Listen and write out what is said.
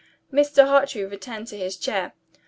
Mr. Hartrey returned to his chair.